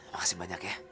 makasih banyak ya